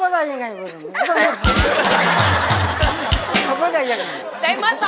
เพลงนี้อยู่ในอาราบัมชุดแรกของคุณแจ็คเลยนะครับ